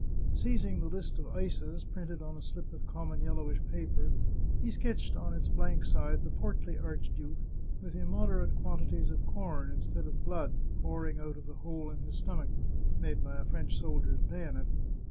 Seizing the list of ices, printed on a slip of common yellowish paper, he sketched on its blank side the portly archduke, with immoderate quantities of corn, instead of blood, pouring out of the hole in his stomach, made by a French soldier's bayonet.